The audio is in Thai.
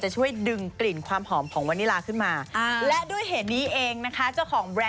ซ่าให้รู้แล้วรู้แล้วไปเลยไปเลยนี่ไงนี่ไง